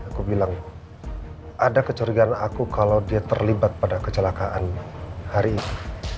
aku bilang ada kecurigaan aku kalau dia terlibat pada kecelakaan hari ini